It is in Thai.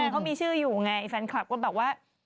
เขามีชื่ออยู่ไงแฟนคลับก็แบบว่า